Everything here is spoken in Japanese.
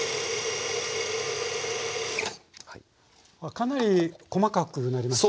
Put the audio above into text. かなり細かくなりましたね。